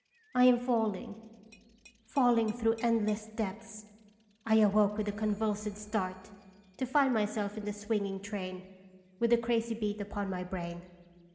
I am falling, fall ing through endless depths. I awoke with a convulsive start, to find myself in the swinging train, with the crazy beat upon my brain.